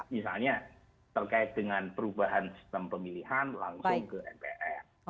misalnya terkait dengan perubahan sistem pemilihan langsung ke mpr